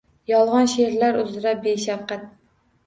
Yolg’on she’rlar uzra beshafqat.